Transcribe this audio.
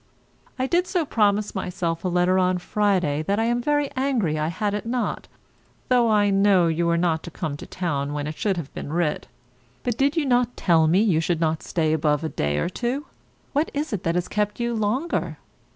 I did so promise myself a letter on Friday that I am very angry I had it not, though I know you were not come to town when it should have been writ. But did not you tell me you should not stay above a day or two? What is it that has kept you longer?